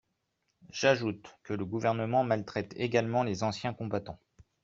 J’ajoute que le Gouvernement maltraite également les anciens combattants.